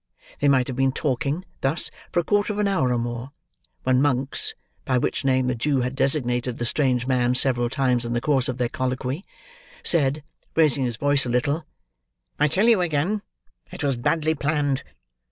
They might have been talking, thus, for a quarter of an hour or more, when Monks—by which name the Jew had designated the strange man several times in the course of their colloquy—said, raising his voice a little, "I tell you again, it was badly planned.